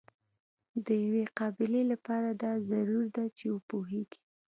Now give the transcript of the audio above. د یوې قابلې لپاره دا ضرور ده چې وپوهیږي.